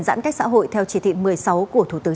giãn cách xã hội theo chỉ thị một mươi sáu của thủ tướng